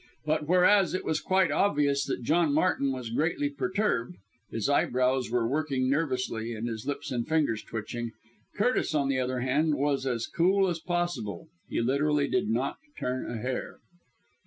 But, whereas it was quite obvious that John Martin was greatly perturbed (his eyebrows were working nervously, and his lips and fingers twitching), Curtis, on the other hand, was as cool as possible he literally did not turn a hair.